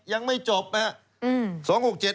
ยังไม่จบนะครับ